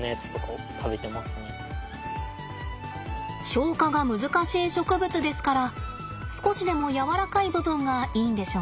消化が難しい植物ですから少しでもやわらかい部分がいいんでしょうね。